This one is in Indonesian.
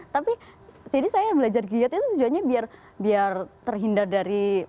tapi jadi saya belajar giat itu tujuannya biar terhindar dari